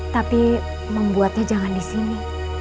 tapi membuatnya jangan di sini